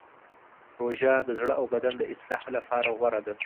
روژه د زړه او بدن د اصلاح لپاره غوره ده.